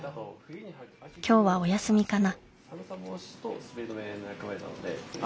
今日はお休みかな？